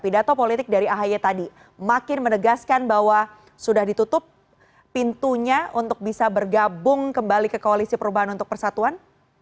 pidato politik dari ahy tadi makin menegaskan bahwa sudah ditutup pintunya untuk bisa bergabung kembali ke koalisi perubahan untuk persatuan